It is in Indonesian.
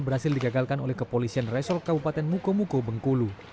berhasil digagalkan oleh kepolisian resor kabupaten mukomuko bengkulu